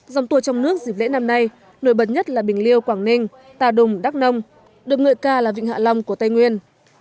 dòng tour trong nước dịp lễ năm nay nổi bật nhất là bình liêu quảng ninh tà đùng đắk nông được ngợi ca là vịnh hạ long của tây nguyên